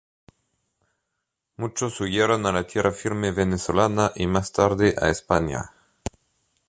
Muchos huyeron a la tierra firme venezolana y más tarde a España.